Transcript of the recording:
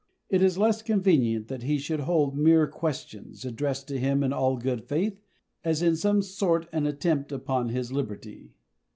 It is less convenient that he should hold mere questions, addressed to him in all good faith, as in some sort an attempt upon his liberty.